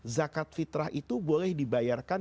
zakat fitrah itu boleh dibayarkan